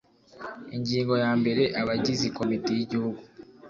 Ingingo ya mbere Abagizi Komite y Igihugu